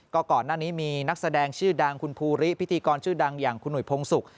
ก่อนหน้านี้มีนักแสดงชื่อดังคุณภูริพิธีกรชื่อดังอย่างคุณหุยพงศุกร์